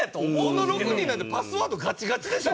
この６人なんてパスワードガチガチでしょ？